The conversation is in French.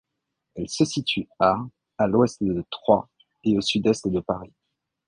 Elle se situe à à l'ouest de Troyes et à au sud-est de Paris.